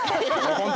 ホント？